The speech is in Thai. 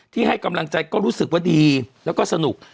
ให้กำลังใจก็รู้สึกว่าดีแล้วก็สนุก